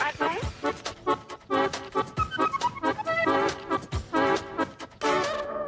โน้ท